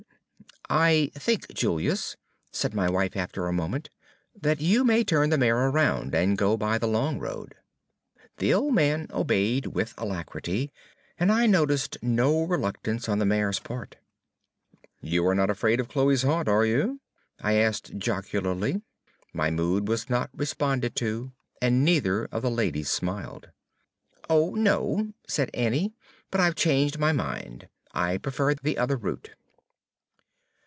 "I think, Julius," said my wife, after a moment, "that you may turn the mare around and go by the long road." The old man obeyed with alacrity, and I noticed no reluctance on the mare's part. "You are not afraid of Chloe's haunt, are you?" I asked jocularly. My mood was not responded to, and neither of the ladies smiled. "Oh, no," said Annie, "but I've changed my mind. I prefer the other route."